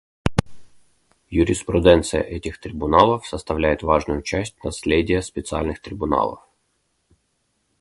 Юриспруденция этих трибуналов составляет важную часть наследия специальных трибуналов.